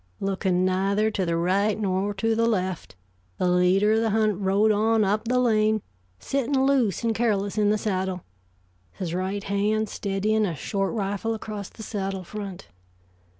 Looking neither to the right nor to the left, the leader of the hunt rode on up the lane, sitting loose and careless in the saddle, his right hand steadying a short rifle across the saddle front.